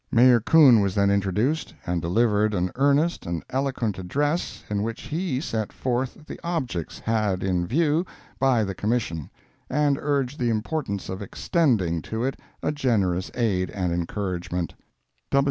Mayor Coon was then introduced, and delivered an earnest and eloquent address in which he set forth the objects had in view by the Commission, and urged the importance of extending to it a generous aid and encouragement.